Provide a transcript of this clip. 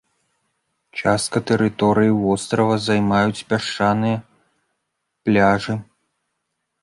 Частка тэрыторыі вострава займаюць пясчаныя пляжы.